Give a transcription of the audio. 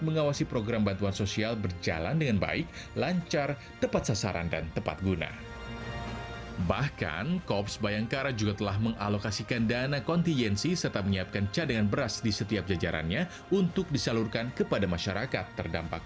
penegakan hukum perlindungan pekayoman dan pelayanan kepada masyarakat